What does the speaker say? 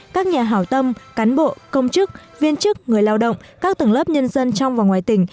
các nhà hảo tâm cán bộ công chức viên chức người lao động các tầng lớp nhân dân trong và ngoài tỉnh